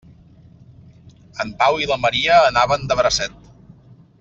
En Pau i la Maria anaven de bracet.